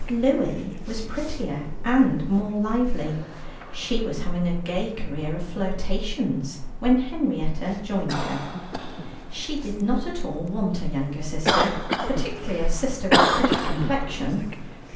Louie was prettier and more lively. She was having a gay career of flirtations, when Henrietta joined her. She did not at all want a younger sister, particularly a sister with a pretty complexion.